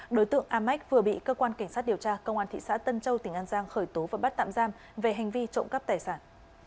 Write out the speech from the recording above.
đối tượng a mách vừa bị cơ quan cảnh sát điều tra công an thị xã tân châu tỉnh an giang khởi tố và bắt tạm giam về hành vi trộm cắp tài sản